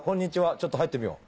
ちょっと入ってみよう。